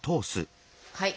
はい。